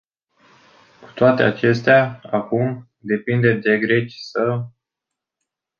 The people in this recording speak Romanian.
Cu toate acestea, acum, depinde de greci să...